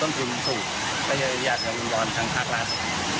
พอต้นทุนสูงก็จะอยากให้วิงวอนทางภาครัฐ